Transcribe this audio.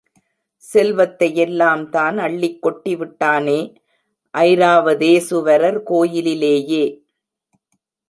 செல்வத்தையெல்லாம் தான் அள்ளிக் கொட்டி விட்டானே, ஐராவதேசுவரர் கோயிலிலேயே.